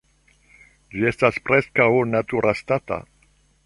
Ĝi estas preskaŭ naturastata.